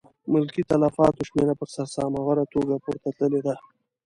ملکي تلفاتو شمېره په سر سام اوره توګه پورته تللې ده.